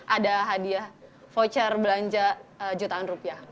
ada hadiah voucher belanja jutaan rupiah